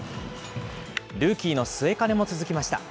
ルーキーの末包も続きました。